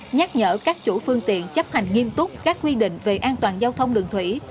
nhắc nhở các chủ phương tiện chấp hành nghiêm túc các quy định về an toàn giao thông đường thủy